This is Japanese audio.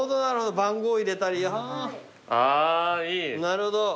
なるほど。